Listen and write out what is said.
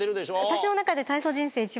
私の中で。